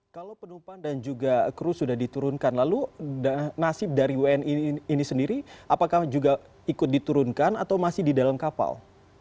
kalau penumpang dan juga kru sudah diturunkan lalu nasib dari wni ini sendiri apakah juga ikut diturunkan atau masih di dalam kapal